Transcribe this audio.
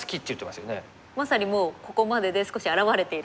まさにもうここまでで少し表れていると。